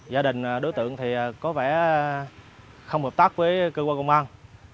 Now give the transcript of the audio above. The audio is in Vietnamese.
gia đình đối tượng thì có vẻ không hợp tác với cơ quan công an